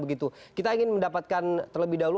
begitu kita ingin mendapatkan terlebih dahulu